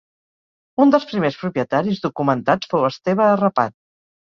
Un dels primers propietaris documentats fou Esteve Arrapat.